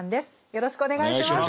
よろしくお願いします。